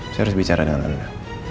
saya harus bicara dengan anda